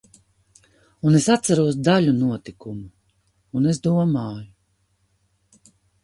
Un es atceros daļu notikumu, un es domāju.